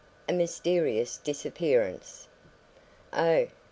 A MYSTERIOUS DISAPPEARANCE. Oh!